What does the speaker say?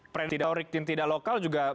predatorik yang tidak lokal juga